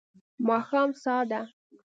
ماښام ساه ته